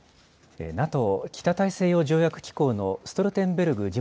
ＮＡＴＯ・北大西洋条約機構のストルテンベルグ